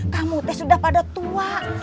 kamu teh sudah pada tua